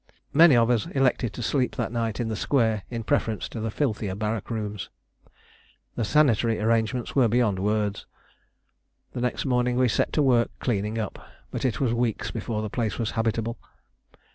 Many of us elected to sleep that night in the square in preference to the filthier barrack rooms. The sanitary arrangements were beyond words. The next morning we set to work cleaning up, but it was weeks before the place was habitable.